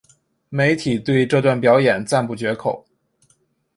媒体对这段表演赞不绝口。